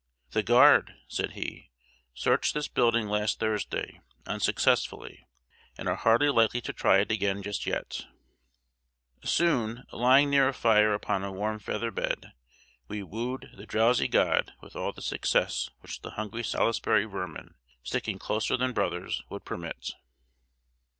"The Guard," said he, "searched this building last Thursday, unsuccessfully, and are hardly likely to try it again just yet." Soon, lying near a fire upon a warm feather bed, we wooed the drowsy god with all the success which the hungry Salisbury vermin, sticking closer than brothers, would permit.